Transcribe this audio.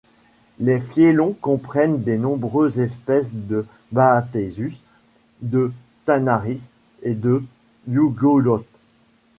Les fiélons comprennent des nombreuses espèces de baatezus, de tanar'ris et de yugoloths.